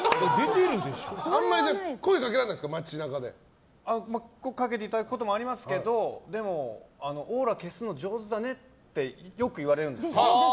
あまり声掛けられないですか声掛けていただくこともありますけどでもオーラ消すの上手だねってよく言われるんです。